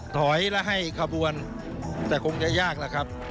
ถอยและให้ขบวนแต่คงจะยากแล้วครับ